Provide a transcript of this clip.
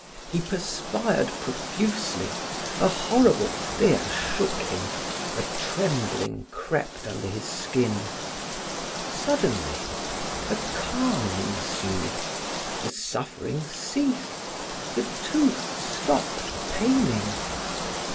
He perspired profusely. A horrible fear shook him, a trembling crept under his skin; suddenly a calm ensued, the suffering ceased, the tooth stopped paining.